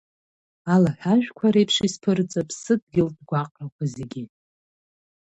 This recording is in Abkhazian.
Алаҳәажәқәа реиԥш исԥырҵып сыдгьылтә гәаҟрақәа зегьы.